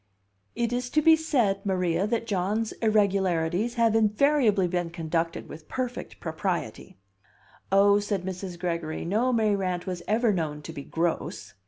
"It is to be said, Maria, that John's irregularities have invariably been conducted with perfect propriety." "Oh," said Mrs. Gregory, "no Mayrant was ever known to be gross!"